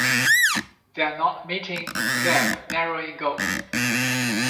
They are not meeting gap narrowing goals.